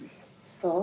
そう？